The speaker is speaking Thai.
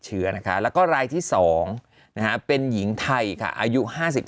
เชื้อนะคะแล้วก็รายที่๒เป็นหญิงไทยค่ะอายุ๕๓